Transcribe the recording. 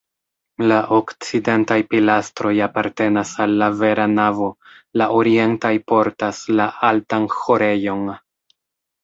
La okcidentaj pilastroj apartenas al la vera navo, la orientaj portas la altan ĥorejon.